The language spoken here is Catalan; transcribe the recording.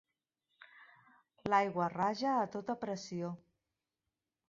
L'aigua raja a tota pressió.